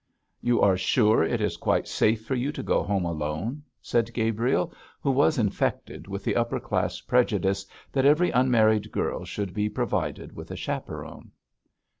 'You are sure it is quite safe for you to go home alone?' said Gabriel, who was infected with the upper class prejudice that every unmarried girl should be provided with a chaperon.